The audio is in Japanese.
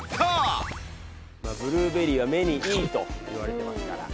ブルーベリーは目にいいといわれてますから。